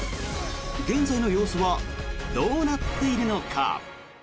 現在の様子はどうなっているのか。